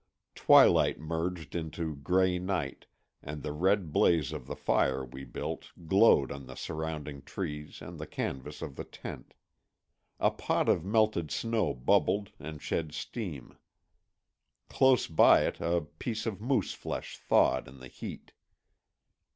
Twilight merged into gray night, and the red blaze of the fire we built glowed on the surrounding trees and the canvas of the tent. A pot of melted snow bubbled and shed steam. Close by it a piece of moose flesh thawed in the heat.